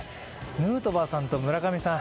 ヌートバーさんと村上さん